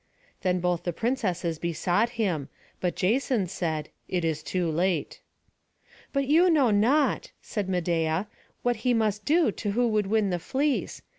Then both the princesses besought him: but Jason said, "It is too late." "But you know not," said Medeia, "what he must do who would win the fleece.